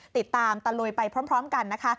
ติดตามตะลุยไปพร้อมกันนะคะ